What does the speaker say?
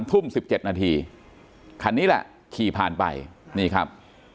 ทุ่ม๑๗นาทีคันนี้แหละขี่ผ่านไปนี่ครับ